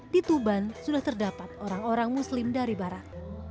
di tuban sudah terdapat orang orang muslim dari barat